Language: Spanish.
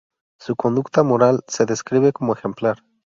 Su conducta moral se describe como ejemplar.